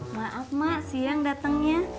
maaf mak siang datengnya